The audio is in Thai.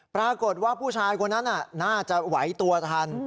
ปรากฏว่าผู้ชายคนนั้นน่าจะไหวตัวทัน